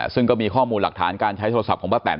ซึ่งก็มีข้อมูลหลักฐานการใช้โทรศัพท์ของป้าแตน